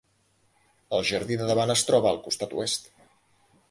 El jardí de davant es troba al costat oest.